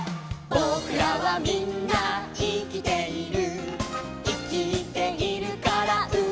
「ぼくらはみんないきている」